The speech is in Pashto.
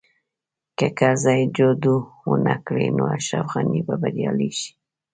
که کرزی جادو ونه کړي نو اشرف غني به بریالی شي